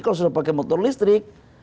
kalau sudah pakai motor listrik